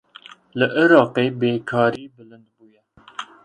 Li Iraqê bêkarî bilind bûye.